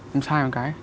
em sai một cái